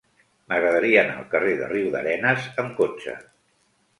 M'agradaria anar al carrer de Riudarenes amb cotxe.